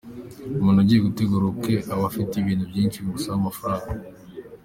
Umuntu ugiye gutegura ubukwe aba afite ibintu byinshi bimusaba amafaranga.